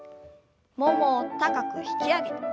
ももを高く引き上げて。